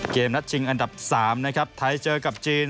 นัดชิงอันดับ๓นะครับไทยเจอกับจีน